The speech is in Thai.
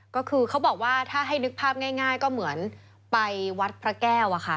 ก็คือเขาบอกว่าถ้าให้นึกภาพง่ายก็เหมือนไปวัดพระแก้ว